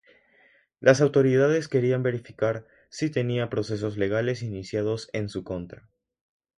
Las autoridades querían verificar si tenía procesos legales iniciados en su contra.